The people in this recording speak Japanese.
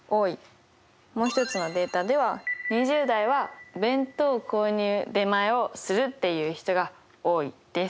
もう一つのデータでは２０代は弁当購入出前をするっていう人が多いです。